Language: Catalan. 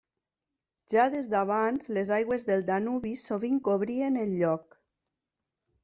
Ja des d'abans les aigües del Danubi sovint cobrien el lloc.